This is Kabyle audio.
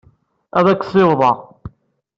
Ad k-ssiwḍeɣ.